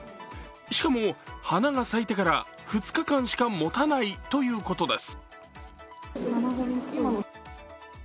しかも、花が咲いてから２日間しかもたないということです